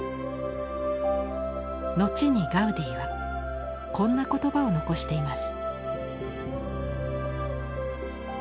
後にガウディはこんな言葉を残しています。